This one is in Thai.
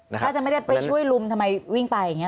ถ้าจะไม่ได้ไปช่วยลุมทำไมวิ่งไป